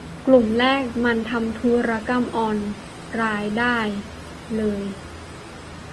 กลุ่มแรกมันทำธุรกรรมอออไลน์ได้เลย